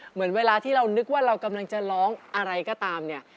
เหมือนเวลาที่เรานึกว่าเรากำลังจะร้องอะไรก็ตามเนี่ย